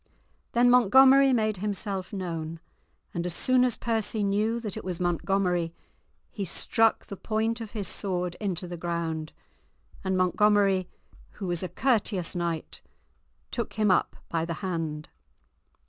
Then Montgomery made himself known, and as soon as Percy knew that it was Montgomery, he struck the point of his sword into the ground, and Montgomery, who was a courteous knight, took him up by the hand.